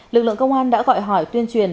lực lượng công an đã gọi hỏi tuyên truyền